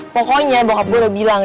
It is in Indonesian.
pokoknya bokap gue udah bilang